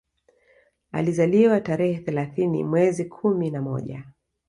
Alizaliwa tarehe thelathini mwezi wa kumi na moja